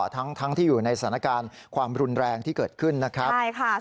ทั้งที่อยู่ในสถานการณ์ความรุนแรงที่เกิดขึ้นนะครับใช่ค่ะ